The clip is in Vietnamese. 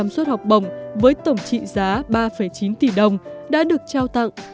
một ba trăm linh suốt học bổng với tổng trị giá ba chín tỷ đồng đã được trao tặng